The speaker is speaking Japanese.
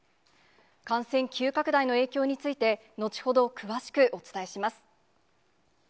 感染急拡大の影響について、後ほど、詳しくお伝えします。